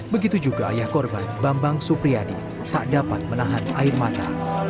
begitu juga ayah korban bambang supriyadi tak dapat menahan air mata